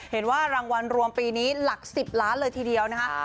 เห็นว่ารางวัลรวมปีนี้หลัก๑๐ล้านเลยทีเดียวนะคะ